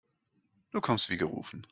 Du kommst wie gerufen.